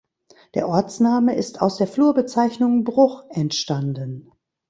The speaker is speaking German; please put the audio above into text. Der Ortsname ist aus der Flurbezeichnung "Bruch" entstanden.